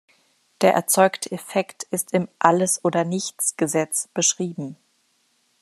Der erzeugte Effekt ist im Alles-oder-nichts-Gesetz beschrieben.